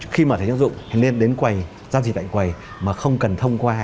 khi mở thẻ tín dụng thì nên đến quầy giao dịch tại quầy mà không cần thông qua